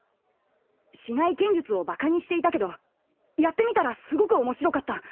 竹刀剣術をバカにしていたけどやってみたらすごく面白かった。